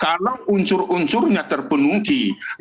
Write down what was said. kalau unsur unsurnya terpenuhi